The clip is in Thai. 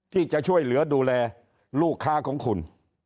ที่จะช่วยเหลือดูแลลูกค้าของคุณ